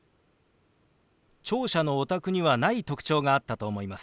聴者のお宅にはない特徴があったと思います。